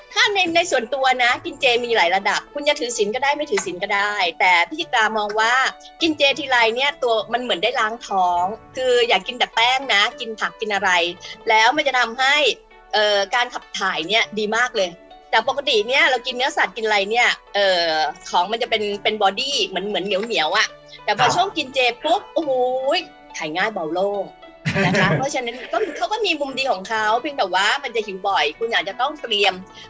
ถ้าในในส่วนตัวนะกินเจมีหลายระดับคุณจะถือศิลป์ก็ได้ไม่ถือศิลป์ก็ได้แต่พี่ชิตามองว่ากินเจทีไรเนี้ยตัวมันเหมือนได้ล้างท้องคืออยากกินแต่แป้งนะกินผักกินอะไรแล้วมันจะทำให้เอ่อการขับถ่ายเนี้ยดีมากเลยแต่ปกติเนี้ยเรากินเนื้อสัตว์กินอะไรเนี้ยเอ่อของมันจะเป็นเป็นบอดี้เหมือนเหมือนเหนี